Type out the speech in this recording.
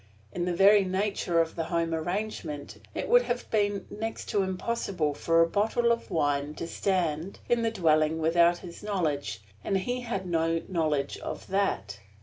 In the very nature of the home arrangement it would have been next to impossible for a bottle of wine to stand in the dwelling without his knowledge, and he had no knowledge of that.